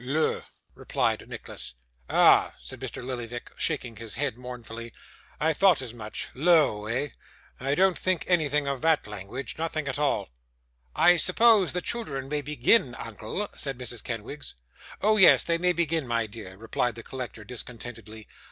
'L'EAU,' replied Nicholas. 'Ah!' said Mr. Lillyvick, shaking his head mournfully, 'I thought as much. Lo, eh? I don't think anything of that language nothing at all.' 'I suppose the children may begin, uncle?' said Mrs. Kenwigs. 'Oh yes; they may begin, my dear,' replied the collector, discontentedly.